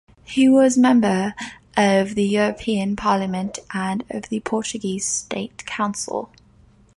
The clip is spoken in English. He was member of the European Parliament and of the Portuguese State Council.